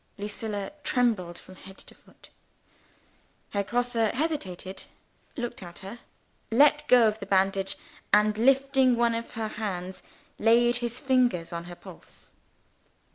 Lucilla trembled from head to foot. Herr Grosse hesitated looked at her let go of the bandage and lifting one of her hands, laid his fingers on her pulse.